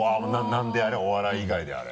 何であれお笑い以外であれ。